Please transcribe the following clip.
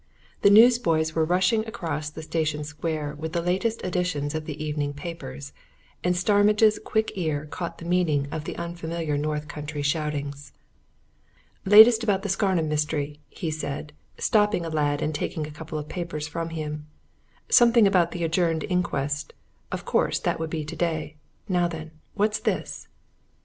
The newsboys were rushing across the station square with the latest editions of the evening papers, and Starmidge's quick ear caught the meaning of their unfamiliar North country shoutings. "Latest about the Scarnham mystery," he said, stopping a lad and taking a couple of papers from him. "Something about the adjourned inquest of course that would be today. Now then what's this?"